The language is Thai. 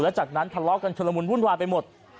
จากนั้นทะเลาะกันชุลมุนวุ่นวายไปหมด